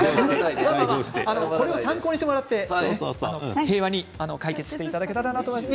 これを参考にしていただいて平和に解決していただけたらと思います。